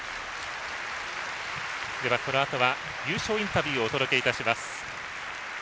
このあとは優勝インタビューをお届けいたします。